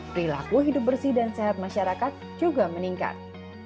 perilaku hidup bersih dan sehat masyarakat juga meningkat